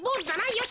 よし！